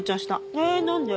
え何で？